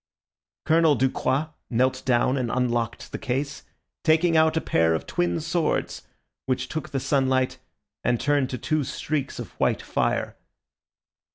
Colonel Ducroix knelt down and unlocked the case, taking out a pair of twin swords, which took the sunlight and turned to two streaks of white fire.